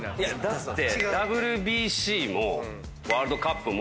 だって。